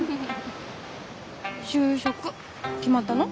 就職決まったの？